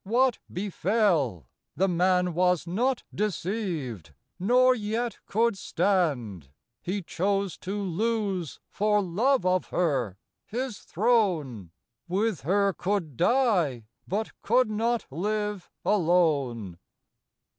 what befell, — The man was not deceived, nor yet could stand: He chose to lose, for love of her, his throne, — With her could die, but could not live alone.